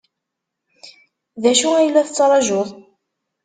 D acu ay la tettṛajuḍ?